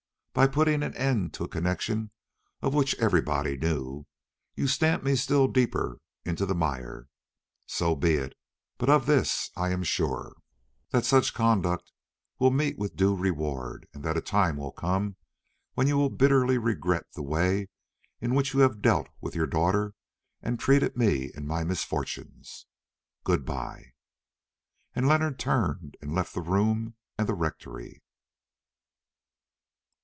By putting an end to a connection of which everybody knew, you stamp me still deeper into the mire. So be it, but of this I am sure, that such conduct will meet with a due reward, and that a time will come when you will bitterly regret the way in which you have dealt with your daughter and treated me in my misfortunes. Good bye." And Leonard turned and left the room and the Rectory.